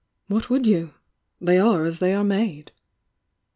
What would you? They are as they are made!"